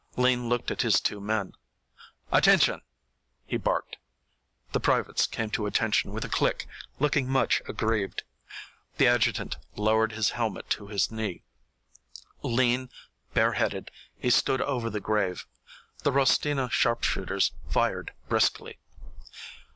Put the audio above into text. Lean looked at his two men. "Attention," he barked. The privates came to attention with a click, looking much aggrieved. The adjutant lowered his helmet to his knee. Lean, bareheaded, he stood over the grave. The Rostina sharpshooters fired briskly.